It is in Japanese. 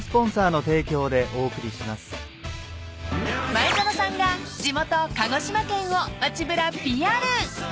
［前園さんが地元鹿児島県を街ぶらＰＲ］